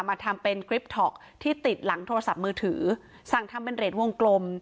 มาทำเป็นกริปท็อกที่ติดหลังโทรศัพท์มือถือสั่งทำเป็นเหรียญวงกลม